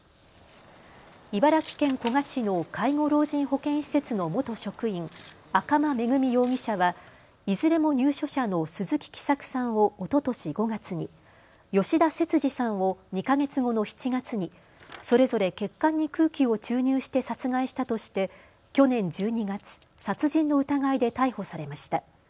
茨城県古河市の介護老人保健施設の元職員、赤間恵美容疑者はいずれも入所者の鈴木喜作さんをおととし５月に、吉田節次さんを２か月後の７月にそれぞれ血管に空気を注入して殺害したとして去年１２月、殺人の疑いで逮捕されました。